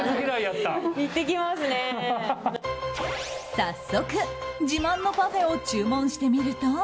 早速、自慢のパフェを注文してみると。